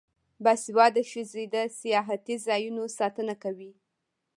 باسواده ښځې د سیاحتي ځایونو ساتنه کوي.